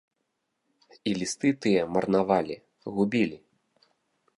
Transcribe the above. І лісты тыя марнавалі, губілі.